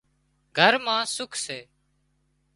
گھر مان سُک سي